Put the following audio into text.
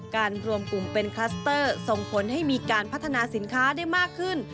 รวมกลุ่มเป็นคลัสเตอร์ส่งผลให้มีการพัฒนาสินค้าได้มากขึ้น